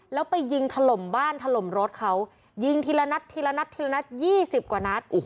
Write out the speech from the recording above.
แล้วไปยิงถล่มบ้านถล่มรถเขายิงทีละนัดทีละนัดทีละนัด๒๐กว่านัด